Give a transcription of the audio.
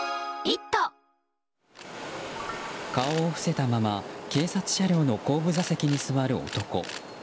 顔を伏せたまま警察車両の後部座席に座る男。